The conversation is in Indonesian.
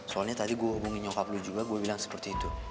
soalnya tadi gue hubungin nyokap lu juga gue bilang seperti itu